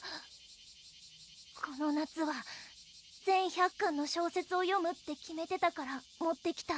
この夏は全１００巻の小説を読むって決めてたから持ってきた